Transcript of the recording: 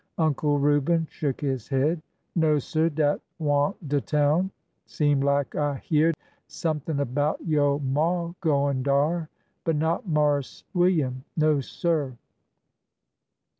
Uncle Reuben shook his head. '' No, sir ; dat wa'n't de town. Seem lak I hyeahed somethin' about yo' maw goin' dar, but not Marse Wil liam. No, sir